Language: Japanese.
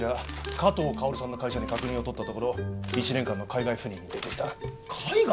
加藤薫さんの会社に確認を取ったところ１年間の海外赴任に出ていた海外？